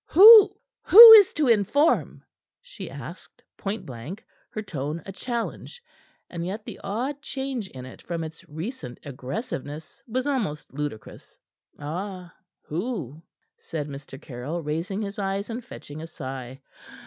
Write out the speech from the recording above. "Who who is to inform?" she asked point blank, her tone a challenge; and yet the odd change in it from its recent aggressiveness was almost ludicrous. "Ah who?" said Mr. Caryll, raising his eyes and fetching a sigh.